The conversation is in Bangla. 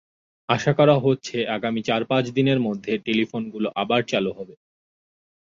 আশা করা হচ্ছে, আগামী চার-পাঁচ দিনের মধ্যে টেলিফোনগুলো আবার চালু হবে।